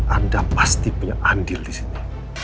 anda pasti punya andil disini